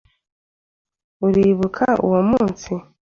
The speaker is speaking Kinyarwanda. Uribuka uwo munsi?